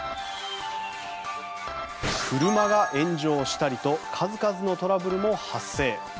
車が炎上したりと数々のトラブルも発生。